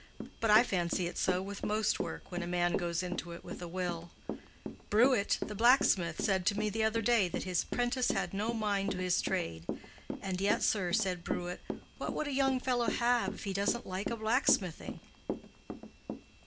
But I fancy it so with most work when a man goes into it with a will. Brewitt, the blacksmith, said to me the other day that his 'prentice had no mind to his trade; 'and yet, sir,' said Brewitt, 'what would a young fellow have if he doesn't like the blacksmithing?"